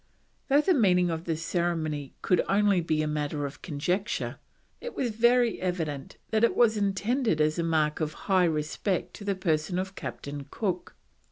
Though the meaning of this ceremony could only be a matter of conjecture, it was very evident that it was intended as a mark of high respect to the person of Captain Cook.